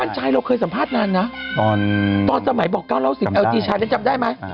กิ๊กกั้นชายเราเคยสัมภาษณ์นานนะตอนสมัยบอกเก้าเหล้าสิบเอลจีชายนั้นจำได้มั้ย